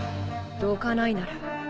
どかないなら。